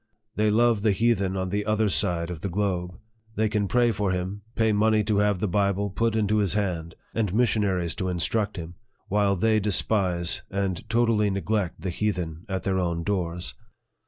They love the heathen on the other side of the globe. They can pray for him, pay money to have the Bible put into his hand, and missionaries to instruct him ; while they despise and totally neglect the heathen at their own doors.